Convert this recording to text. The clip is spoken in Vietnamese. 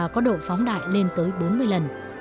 có độ phóng đại lên tới bốn mươi lần